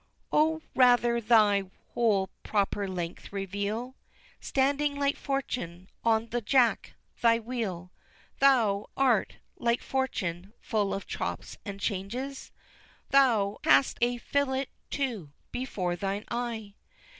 III. Oh, rather thy whole proper length reveal, Standing like Fortune, on the jack thy wheel. (Thou art, like Fortune, full of chops and changes, Thou hast a fillet too before thine eye!)